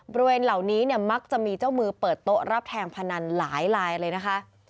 บริเวณเหล่านี้เนี่ยมักจะมีเจ้ามือเปิดโต๊ะรับแทงพนันหลายลายเลยนะคะ